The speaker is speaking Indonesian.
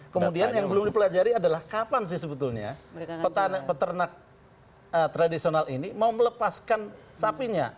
kemudian yang belum dipelajari adalah kapan sih sebetulnya peternak tradisional ini mau melepaskan sapinya